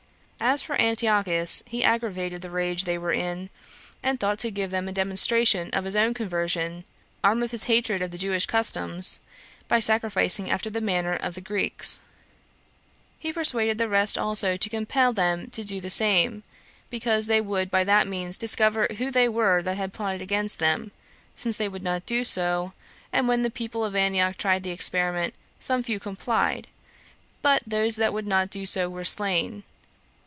As for Antiochus, he aggravated the rage they were in, and thought to give them a demonstration of his own conversion, arm of his hatred of the Jewish customs, by sacrificing after the manner of the Greeks; he persuaded the rest also to compel them to do the same, because they would by that means discover who they were that had plotted against them, since they would not do so; and when the people of Antioch tried the experiment, some few complied, but those that would not do so were slain.